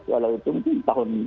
kalau itu mungkin